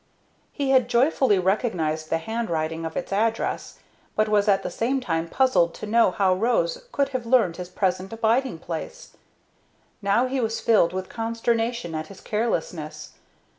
He had joyfully recognized the handwriting of its address, but was at the same time puzzled to know how Rose could have learned his present abiding place. Now he was filled with consternation at his carelessness.